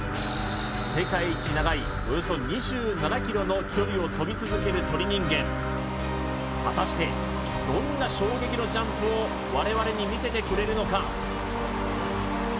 世界一長いおよそ２７ｋｍの距離を飛び続ける鳥人間果たしてどんな衝撃のジャンプを我々に見せてくれるのか？